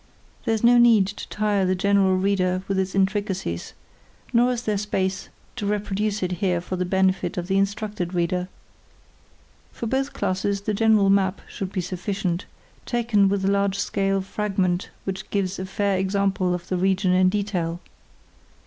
There is no need to tire the general reader with its intricacies, nor is there space to reproduce it for the benefit of the instructed reader. For both classes the general map should be sufficient, taken with the large scale fragment [See Chart A] which gives a fair example of the region in detail.